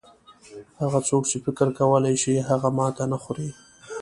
هغه څوک چې فکر کولای شي هغه ماته نه خوري.